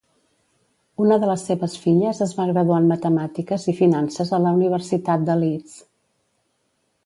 Una de les seves filles es va graduar en Matemàtiques i Finances a la Universitat de Leeds.